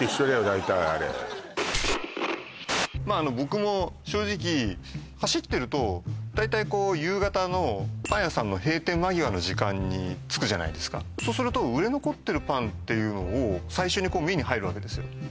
大体あれ僕も正直走ってると大体夕方のパン屋さんの閉店間際の時間に着くじゃないですかそうすると売れ残ってるパンっていうのを最初に目に入るわけですよ